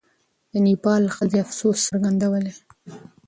د نېپال ښځې افسوس څرګندولی.